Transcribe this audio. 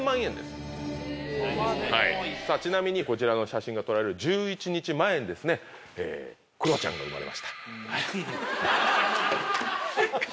ちなみにこちらの写真が撮られる１１日前にクロちゃんが生まれました。